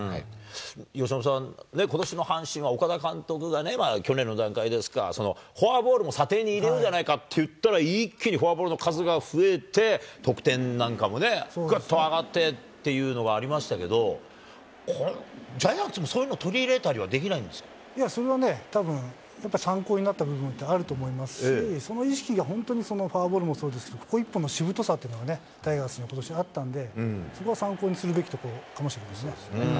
由伸さん、ことしの阪神は、岡田監督がね、去年の段階ですか、フォアボールも査定に入れようじゃないかって言ったら、一気にフォアボールの数が増えて、得点なんかもね、ぐっと上がってっていうのがありましたけど、ジャイアンツもそういうの取り入れたりはいや、それはね、たぶん参考になった部分ってあると思いますし、その意識が本当に、フォアボールもそうですし、ここ一本のしぶとさというのがタイガースにことしあったんで、そこは参考にするべきところかもしれないですね。